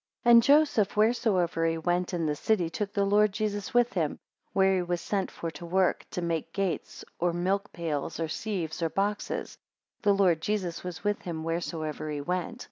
AND Joseph, wheresoever he went in the city, took the Lord Jesus with him, where he was sent for to work to make gates, or milk pails, or sieves, or boxes; the Lord Jesus was with him, wheresoever he went.